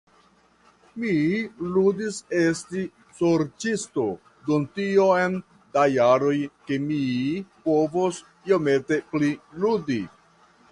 Mi ludis esti Sorĉisto dum tiom da jaroj ke mi povos iomete pli ludi.